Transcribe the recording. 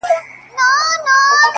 ما خو پخوا مـسـته شــاعـــري كول’